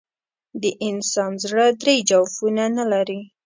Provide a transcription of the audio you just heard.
د انسان زړه درې جوفونه نه لري.